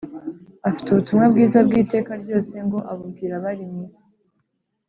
afite ubutumwa bwiza bw’iteka ryose ngo abubwira abari mu isi,